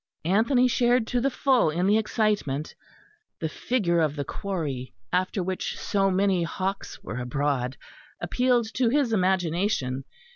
Anthony shared to the full in the excitement; the figure of the quarry, after which so many hawks were abroad, appealed to his imagination.